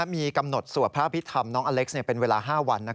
มีกำหนดสวดพระอภิษฐรรมน้องอเล็กซ์เป็นเวลา๕วัน